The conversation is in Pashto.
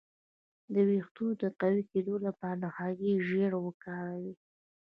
د ویښتو د قوي کیدو لپاره د هګۍ ژیړ وکاروئ